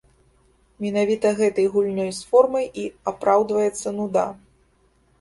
Менавіта гэтай гульнёй з формай і апраўдваецца нуда.